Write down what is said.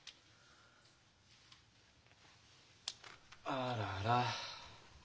あらら。